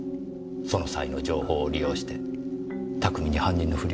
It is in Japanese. その際の情報を利用して巧みに犯人のフリをなさった。